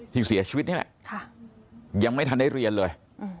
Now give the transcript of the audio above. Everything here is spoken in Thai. ที่เสียชีวิตนี่แหละยังไม่ทันได้เรียนเลย